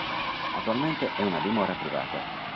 Attualmente è una dimora privata.